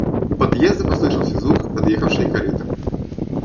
У подъезда послышался звук подъехавшей кареты.